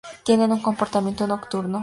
Tiene un comportamiento nocturno.